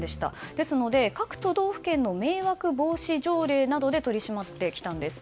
ですので、各都道府県の迷惑防止条例などで取り締まってきたんです。